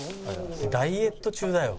「ダイエット中だよ」